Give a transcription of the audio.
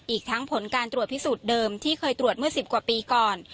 อีกทั้งผลการตรวจพิสูจน์เดิมที่เคยตรวจเมื่อ๑๐กว่าปีก่อน